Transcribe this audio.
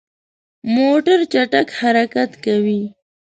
موټر چټک حرکت کوي.